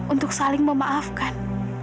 untuk saling memaafkan